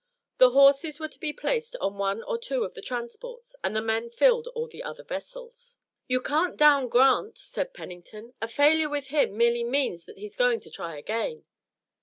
The horses were to be placed on one or two of the transports and the men filled all the other vessels. "You can't down Grant," said Pennington. "A failure with him merely means that he's going to try again."